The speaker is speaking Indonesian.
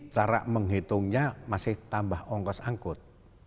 karena menghitungnya masih tambah ongkos angkut